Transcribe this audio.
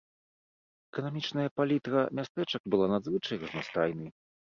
Эканамічная палітра мястэчак была надзвычай разнастайнай.